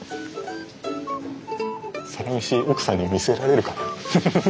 「サラメシ」奥さんに見せられるかな。